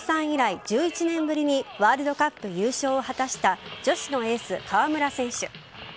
以来１１年ぶりにワールドカップ優勝を果たした女子のエース・川村選手。